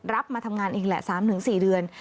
มาทำงานอีกแหละ๓๔เดือน